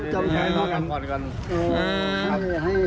จำไม่ได้